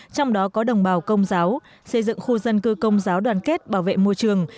trong đó có đồng bào công giáo xây dựng khu dân cư công giáo đoàn kết bảo vệ môi trường